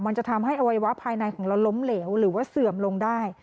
มันจะทำให้อวัยวะภายในของเราล้มเหลวหรือว่าเสื่อมลงได้